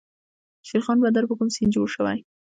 شیرخان بندر په کوم سیند جوړ شوی؟